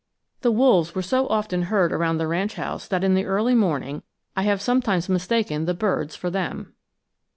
The wolves were so often heard around the ranch house that in the early morning I have sometimes mistaken the birds for them.